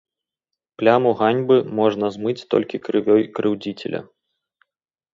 Пляму ганьбы можна змыць толькі крывёй крыўдзіцеля.